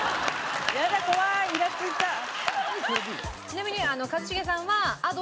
ちなみに。